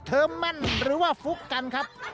เธอแม่นรึว่าฟุกกันครับ